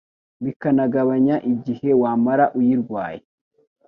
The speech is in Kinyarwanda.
bikanagabanya igihe wamara uyirwaye